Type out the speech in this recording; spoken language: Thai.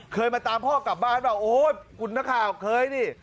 เคยมาตามพ่อกลับบ้านป่ะโอ้โฮคุณภาคาวเคยนี่